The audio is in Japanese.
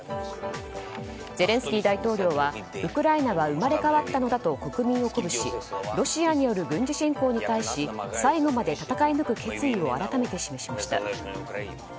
ゼレンスキー大統領はウクライナは生まれ変わったのだと国民を鼓舞しロシアによる軍事侵攻に対し最後まで戦い抜く決意を改めてしました。